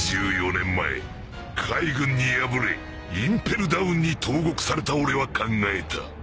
２４年前海軍に敗れインペルダウンに投獄された俺は考えた。